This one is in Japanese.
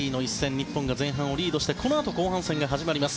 日本が前半をリードしてこのあと後半戦が始まります。